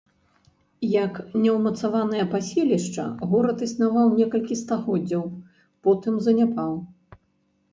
Як неўмацаванае паселішча горад існаваў некалькі стагоддзяў, потым заняпаў.